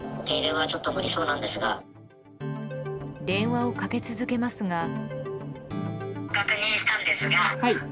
電話をかけ続けますが。